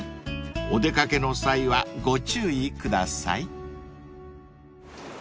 ［お出掛けの際はご注意ください］